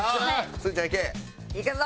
すずちゃんいけ！いくぞ。